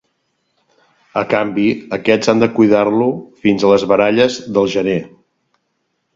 A canvi, aquests han de cuidar-lo fins a les baralles del gener.